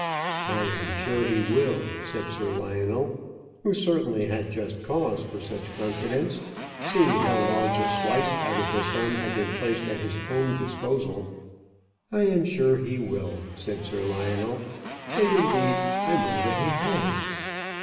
"I am sure he will," said Sir Lionel, who certainly had just cause for such confidence, seeing how large a slice out of the sum had been placed at his own disposal. "I am sure he will," said Sir Lionel. "Indeed, I know that he has."